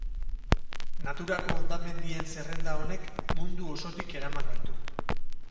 Naturako hondamendien zerrenda honek mundu osotik eraman gaitu.